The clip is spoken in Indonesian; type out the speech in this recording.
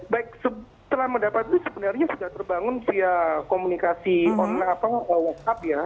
baik setelah mendapat itu sebenarnya sudah terbangun via komunikasi online whatsapp ya